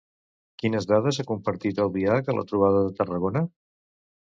Quines dades ha compartit Albiach a la trobada de Tarragona?